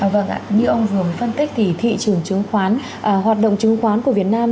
vâng ạ như ông vừa phân tích thì thị trường chứng khoán hoạt động chứng khoán của việt nam